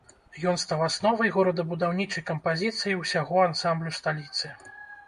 Ён стаў асновай горадабудаўнічай кампазіцыі ўсяго ансамблю сталіцы.